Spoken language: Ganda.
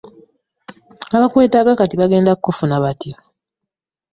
Abakwetaaga kati bagenda kukufuna batya?